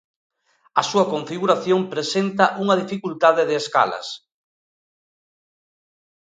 A súa configuración presenta unha dificultade de escalas.